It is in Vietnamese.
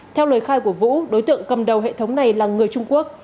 theo lời khai của vũ đối tượng cầm đầu hệ thống này là người trung quốc